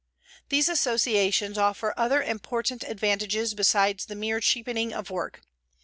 These associations offer other important advantages besides the mere cheapening of work.